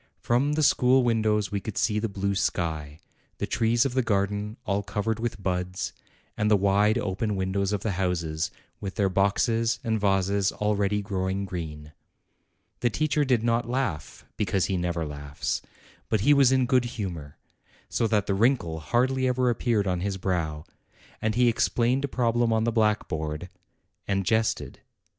From the school windows we could see the blue sky, the trees of the garden all covered with buds, and the wide open windows of the houses, with their boxes and vases already growing green. The teacher did not laugh, because he never laughs; but he was in good humor, so that the wrinkle hardly ever appeared on his brow ; and he explained a problem on the blackboard, and jested.